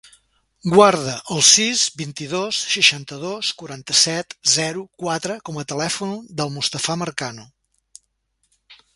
Guarda el sis, vint-i-dos, seixanta-dos, quaranta-set, zero, quatre com a telèfon del Mustafa Marcano.